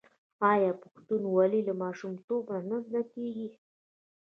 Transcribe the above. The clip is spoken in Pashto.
آیا پښتونولي له ماشومتوبه نه زده کیږي؟